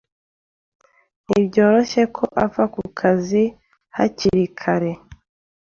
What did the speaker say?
Ntibyoroshye ko ava ku kazi hakiri kare.